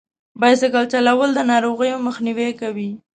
بایسکل چلول د ناروغیو مخنیوی کوي.